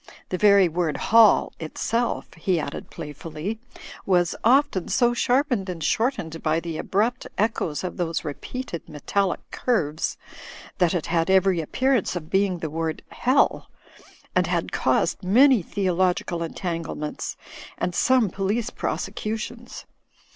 The very word "hall" itself (he added play fully) was often so sharpened and shortened by the abrupt echoes of those repeated metallic curves, that it had every appearance of being the word ''hell," and had caused many theological entanglements, and some police prosecutions.